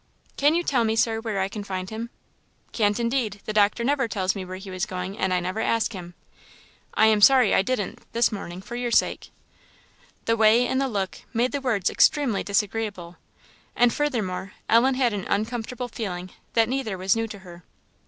"Can you tell me, Sir, where I can find him?" "Can't indeed; the doctor never tells me where he is going, and I never ask him. I am sorry I didn't this morning, for your sake." The way, and the look, made the words extremely disagreeable; and, furthermore, Ellen had an uncomfortable feeling that neither was new to her.